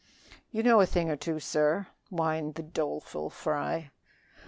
"You know a thing or two, sir," whined the doleful Fry.